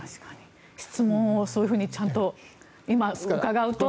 質問をそういうふうにちゃんと今、伺うと。